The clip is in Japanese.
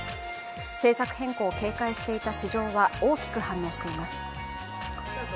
政策変更を警戒していた市場は大きく反応しています。